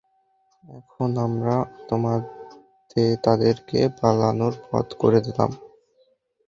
এখন আমরা তাদেরকে পালানোর পথ করে দিলাম।